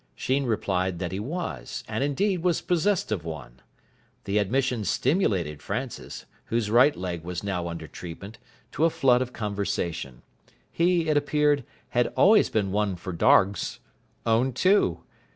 Sheen replied that he was, and, indeed, was possessed of one. The admission stimulated Francis, whose right leg was now under treatment, to a flood of conversation. He, it appeared, had always been one for dargs. Owned two.